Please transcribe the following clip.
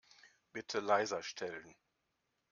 Bitte leiser stellen.